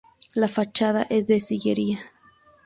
La fachada es de sillería.